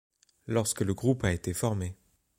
Lorsque le groupe a été formé.